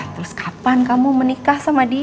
terus kapan kamu menikah sama dia